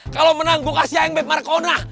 kalau menang gue kasih aing beg marakona